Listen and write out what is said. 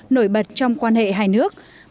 nổi bật trong quan hệ hai nước